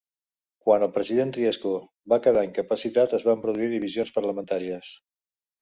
Quan el president Riesco va quedar incapacitat, es van produir divisions parlamentàries.